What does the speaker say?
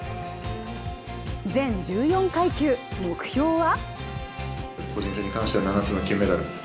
全１４階級、目標は？